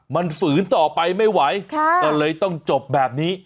มันฝืนต่อไปไม่ไหวก็เลยต้องจบแบบนี้